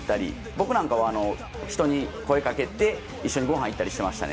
僕なんかは人に声掛けて一緒にごはん行ったりしてました。